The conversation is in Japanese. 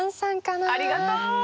ありがとう！